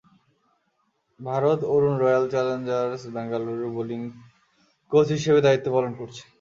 Bharat Arun Royal Challengers বেঙ্গালুরুর bowling coach হিসেবে দায়িত্ব পালন করছেন।